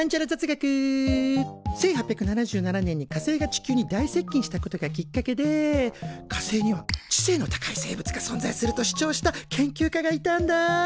１８７７年に火星が地球に大接近したことがきっかけで火星には知性の高い生物が存在すると主張した研究家がいたんだ。